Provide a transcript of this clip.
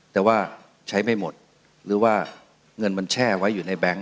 แต่ว่าใช้ไม่หมดหรือว่าเงินมันแช่ไว้อยู่ในแบงค์